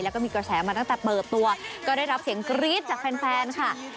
แล้วก็มีกระแสมาตั้งแต่เปิดตัวก็ได้รับเสียงกรี๊ดจากแฟนค่ะ